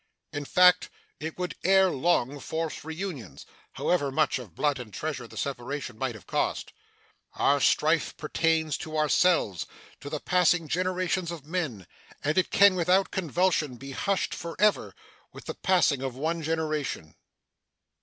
In fact, it would ere long force reunion, however much of blood and treasure the separation might have cost. Our strife pertains to ourselves to the passing generations of men and it can without convulsion be hushed forever with the passing of one generation.